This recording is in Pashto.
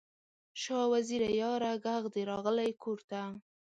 شاه وزیره یاره، ږغ دې راغلی کور ته